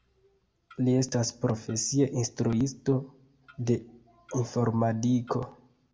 Li estas profesie instruisto de informadiko.